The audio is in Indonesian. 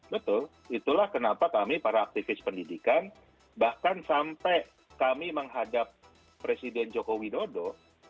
betul itulah kenapa kami para aktivis pendidikan bahkan sampai kami menghadap presiden joko widodo